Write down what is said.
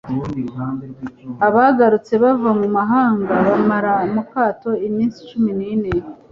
abagarutse bava mu mahanga bamara mu kato iminsi cumi n’ine